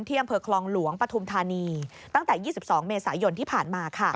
อำเภอคลองหลวงปฐุมธานีตั้งแต่๒๒เมษายนที่ผ่านมา